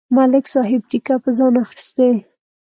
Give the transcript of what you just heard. ملک صاحب ټېکه په ځان اخستې.